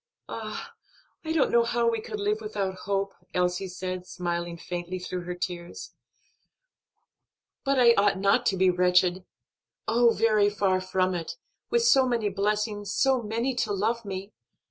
"Ah, I don't know how we could live without hope," Elsie said, smiling faintly through her tears. "But I ought not to be wretched oh, very far from it, with so many blessings, so many to love me!